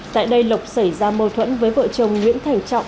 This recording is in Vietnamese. tại đây lộc xảy ra mâu thuẫn với vợ chồng nguyễn thái